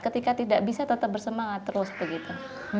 ketika tidak bisa tetap bersemangat terus begitu